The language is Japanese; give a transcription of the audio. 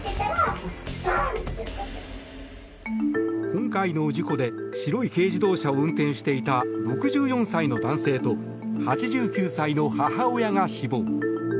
今回の事故で白い軽自動車を運転していた６４歳の男性と８９歳の母親が死亡。